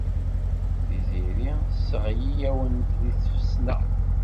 Tiziri tesseɣli-awent deg tfesna.